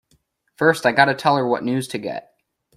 First I gotta tell her what news to get!